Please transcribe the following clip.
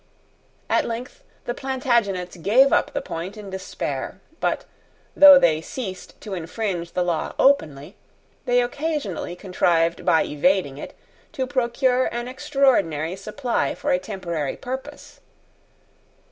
At length the Plantagenets gave up the point in despair: but, though they ceased to infringe the law openly, they occasionally contrived, by evading it, to procure an extraordinary supply for a temporary purpose.